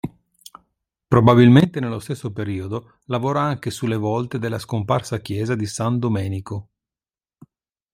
Probabilmente nello stesso periodo lavora anche sulle volte della scomparsa chiesa di San Domenico.